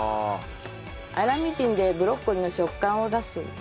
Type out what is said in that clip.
粗みじんでブロッコリーの食感を出す。